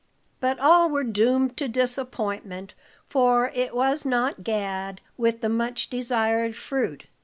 But all were doomed to disappointment, for it was not Gad, with the much desired fruit.